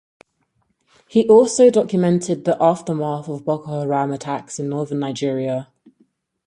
He also documented the aftermath of Boko Haram attacks in Northern Nigeria.